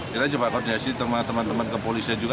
kita coba koordinasi teman teman ke polisnya juga